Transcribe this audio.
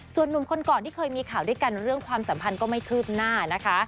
ส่วนหนุ่มคนก่อนที่เคยมีข่าวด้วยกันเรื่องความสัมพันธ์ก็ไม่คืบหน้านะคะ